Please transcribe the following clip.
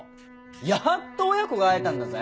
やっと親子が会えたんだぜ？